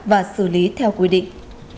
và xử lý theo quy định